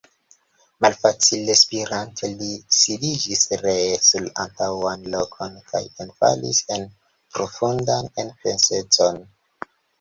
Malfacile spirante, li sidiĝis ree sur antaŭan lokon kaj enfalis en profundan enpensecon.